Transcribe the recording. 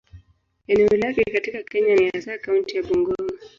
Eneo lao katika Kenya ni hasa kaunti ya Bungoma.